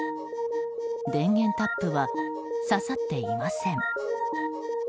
電源タップは挿さっていません。